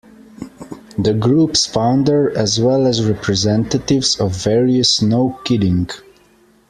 The group's founder, as well as representatives of various No Kidding!